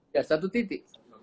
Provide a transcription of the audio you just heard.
ya satu titik